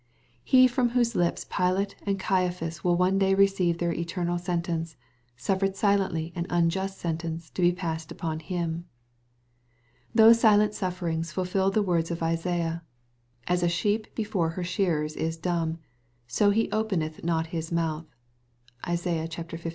He from whose lips Pilate and Caiaphas will one day receive their eternal sentence, suffered silently an unjust sentence to be passed upon him. Those silent sufferings fulfilled the words of Isaiah, "as a sheep before her shearers is dumb, BO he openeth not his mouth." (Isaiah liii.